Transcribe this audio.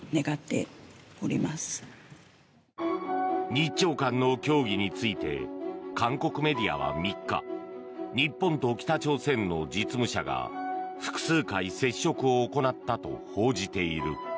日朝間の協議について韓国メディアは３日日本と北朝鮮の実務者が複数回、接触を行ったと報じている。